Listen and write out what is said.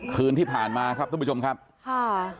คืนที่ผ่านมาครับทุกผู้ชมครับค่ะ